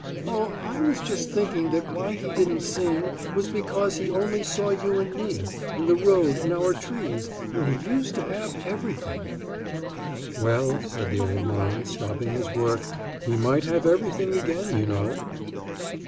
"Oh, I was just thinking that why he didn't sing was because he only saw you and me, and the road, and our trees, when he used to have everything." "Well," said the old man, stopping his work, "he might have everything again, you know."